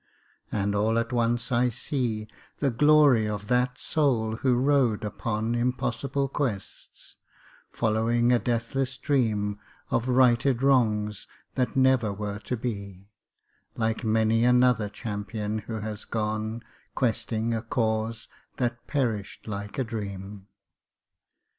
And all at once I see The glory of that soul who rode upon Impossible quests, following a deathless dream Of righted wrongs, that never were to be, Like many another champion who has gone Questing a cause that perished like a dream.